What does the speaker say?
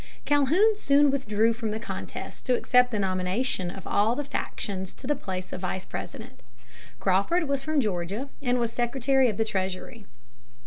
Calhoun soon withdrew from the contest to accept the nomination of all the factions to the place of Vice President. Crawford was from Georgia and was Secretary of the Treasury.